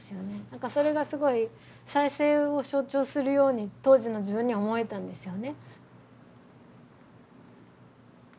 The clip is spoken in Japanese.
なんかそれがすごい再生を象徴するように当時の自分には思えたんですよね。